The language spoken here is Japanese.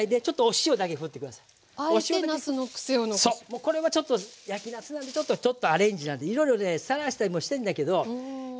もうこれはちょっと焼きなすなんでちょっとアレンジなんでいろいろねさらしたりもしたんだけどこのままの方がいい。